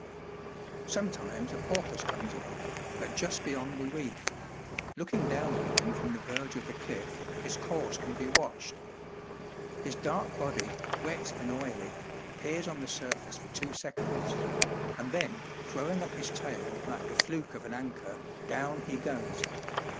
Sometimes a porpoise comes along, but just beyond the reef; looking down on him from the verge of the cliff, his course can be watched. His dark body, wet and oily, appears on the surface for two seconds; and then, throwing up his tail like the fluke of an anchor, down he goes.